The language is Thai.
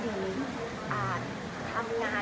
เราหอบพ่ออาจจะน้ำต่อ